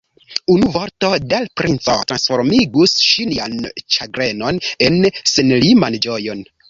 Unu vorto de l' princo transformigus ŝian ĉagrenon en senliman ĝojon.